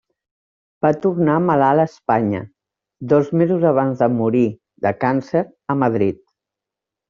Va tornar malalt a Espanya dos mesos abans de morir, de càncer, a Madrid.